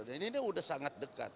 ini udah sangat dekat